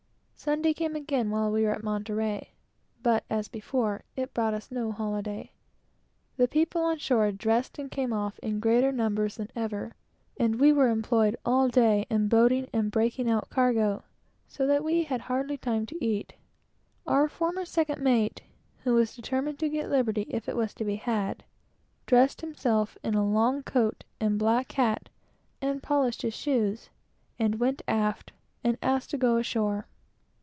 Sunday came again while we were at Monterey, but as before, it brought us no holyday. The people on shore dressed themselves and came off in greater numbers than ever, and we were employed all day in boating and breaking out cargo, so that we had hardly time to eat. Our cidevant second mate, who was determined to get liberty if it was to be had, dressed himself in a long coat and black hat, and polished his shoes, and went aft and asked to go ashore.